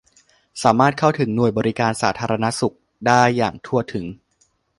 สามารถเข้าถึงหน่วยบริการสาธารณสุขได้อย่างทั่วถึง